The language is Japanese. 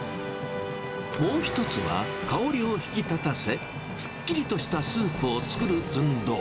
もう一つは、香りを引き立たせ、すっきりとしたスープを作る寸胴。